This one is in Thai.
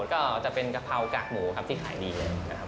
ก็จะเป็นกะเพรากากหมูครับที่ขายดีเลยนะครับ